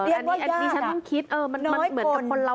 อันนี้ฉันต้องคิดมันเหมือนกับคนเรา